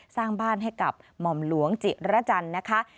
สร้างบ้านให้กับหม่อมหลวงจิระจันทร์นะคะ